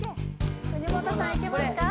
国本さんいけますか？